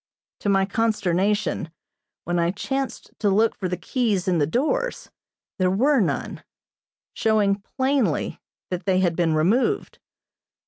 To my consternation, when I chanced to look for the keys in the doors, there were none, showing plainly that they had been removed.